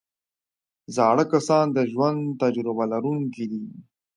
زاړه کسان د ژوند تجربه لرونکي دي